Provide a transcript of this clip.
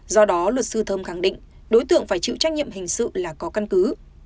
do đó luật sư thơm khẳng định đối tượng phải chịu trách nhiệm hình sự là có căn cứ